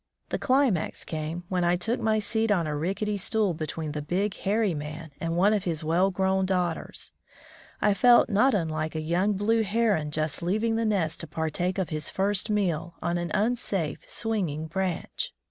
The climax came when I took my seat on a rickety stool between the big, hairy man and one of his well grown daughters. I felt not wilike a young blue heron just leaving the nest to partake of his first meal on an unsafe, swinging branch.